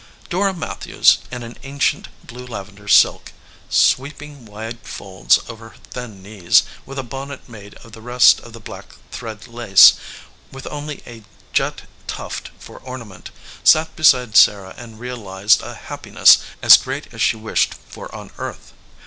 Dora Matthews in an ancient, blue lavender silk, sweeping wide folds over her thin knees, with a bonnet made of the rest of the black thread lace, with only a jet tuft for ornament, sat beside Sarah and realized a happiness as great as she wished for on earth.